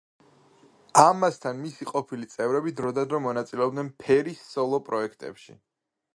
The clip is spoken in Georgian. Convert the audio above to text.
ამასთან, მისი ყოფილი წევრები დროდადრო მონაწილეობდნენ ფერის სოლო პროექტებში.